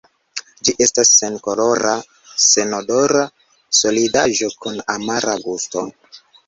Ĝi estas senkolora senodora solidaĵo kun amara gusto.